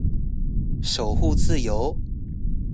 守護自由